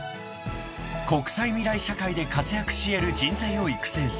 ［国際未来社会で活躍し得る人材を育成する］